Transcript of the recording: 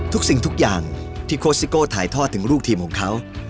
ทุกสิ่งทุกอย่างที่โค้ชซิโก้ถ่ายทอดถึงลูกทีมของเขา